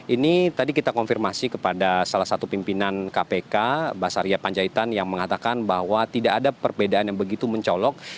ini tadi kita konfirmasi kepada salah satu pimpinan kpk basaria panjaitan yang mengatakan bahwa tidak ada perbedaan yang begitu mencolok